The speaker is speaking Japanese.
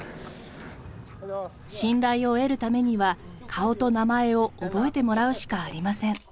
信頼を得るためには顔と名前を覚えてもらうしかありません。